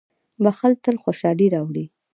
• بښل تل خوشالي راوړي.